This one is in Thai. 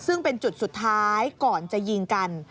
ซึ่งเป็นจุดสุดท้ายก่อนจะยิงกัน